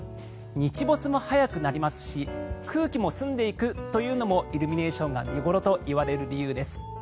日没も早くなりますし空気も澄んでいくというのもイルミネーションが見頃といわれる理由です。